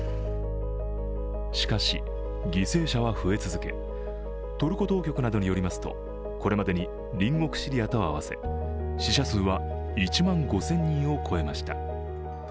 しかし、犠牲者は増え続け、トルコ当局などによりますとこれまでに隣国シリアと合わせ死者数は１万５０００人を超えました。